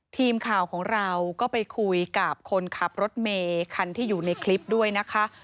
ทีมข่าวของเราก็ไปคุยกับคนขับรถเมคันที่อยู่ในคลิปด้วยนะคะ